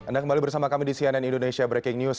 anda kembali bersama kami di cnn indonesia breaking news